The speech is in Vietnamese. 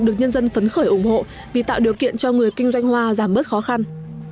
được nhân dân phấn khởi ủng hộ vì tạo điều kiện cho người kinh doanh hoa giảm bớt khó khăn